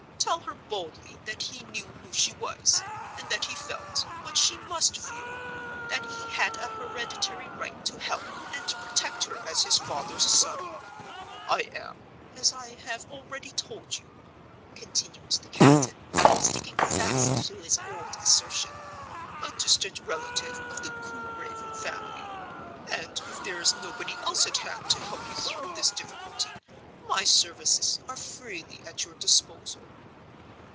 Tell her boldly that he knew who she was, and that he felt (what she must feel) that he had a hereditary right to help and protect her as his father's son. I am, as I have already told you," continued the captain, sticking fast to his old assertion, "a distant relative of the Combe Raven family; and, if there is nobody else at hand to help you through this difficulty, my services are freely at your disposal."